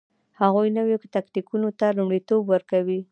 هغوی نویو تکتیکونو ته لومړیتوب ورکوي